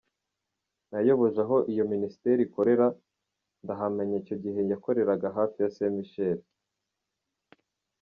Nayoboje aho iyo ministere ikorera, ndahamenya icyo gihe yakoreraga hafi ya Saint Michel.